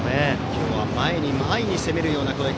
今日は前に前に攻めるような攻撃。